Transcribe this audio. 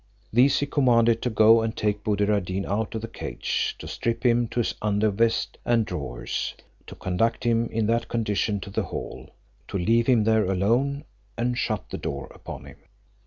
These he commanded to go and take Buddir ad Deen out of the cage, to strip him to his under vest and drawers, to conduct him in that condition to the hall, to leave him there alone, and shut the door upon him.